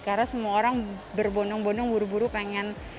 karena semua orang berbonong bonong buru buru pengen